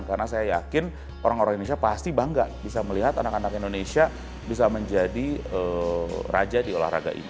karena saya yakin orang orang indonesia pasti bangga bisa melihat anak anak indonesia bisa menjadi raja di olahraga ini